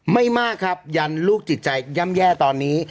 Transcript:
ไม่มากครับยันลูกจิตใจย่ำแย่ตอนนี้